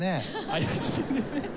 怪しいですね。